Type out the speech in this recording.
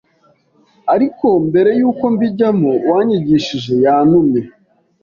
ariko mbere yuko mbijyamo uwanyigishije yantumye